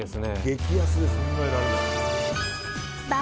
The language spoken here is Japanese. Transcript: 激安です爆